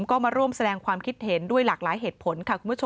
ก็มาร่วมแสดงความคิดเห็นด้วยหลากหลายเหตุผล